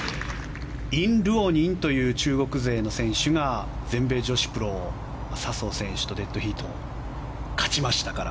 イン・ルオニンという中国勢の選手が全米女子プロを笹生選手とデッドヒート勝ちましたから。